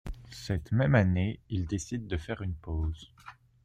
Cette même année, ils décident de faire une pause.